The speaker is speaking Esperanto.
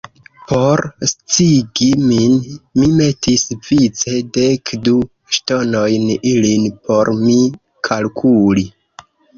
Por sciigi min, li metis vice dekdu ŝtonojn, ilin por mi kalkuli.